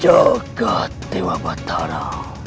jaga dewa batara